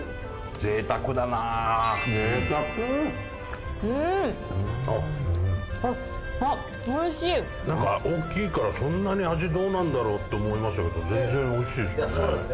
贅沢うーんっおっあっおいしい何か大きいからそんなに味どうなんだろう？って思いましたけど全然おいしい・そうなんですね